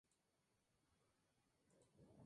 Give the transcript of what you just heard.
La pareja tiene tres hijos: Shane, Kara y Colton.